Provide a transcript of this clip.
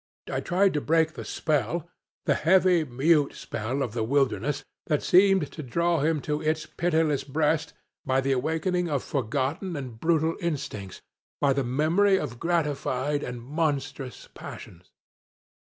I tried to break the spell the heavy, mute spell of the wilderness that seemed to draw him to its pitiless breast by the awakening of forgotten and brutal instincts, by the memory of gratified and monstrous passions.